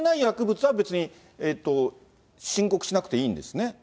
薬物は別に申告しなくていいんですね？